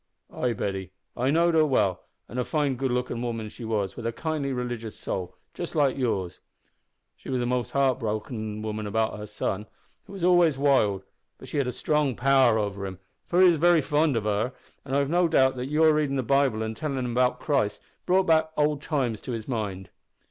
"Ay, Betty, I knowed her well, an' a fine, good lookin' woman she was, wi' a kindly, religious soul, just like yours. She was a'most heartbroken about her son, who was always wild, but she had a strong power over him, for he was very fond of her, and I've no doubt that your readin' the Bible an' telling him about Christ brought back old times to his mind."